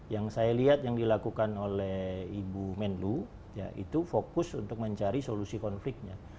yang saya lihat yang dilakukan oleh ibu menlu itu fokus untuk mencari solusi konfliknya